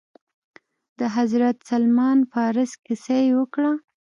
د حضرت سلمان فارس كيسه يې وكړه.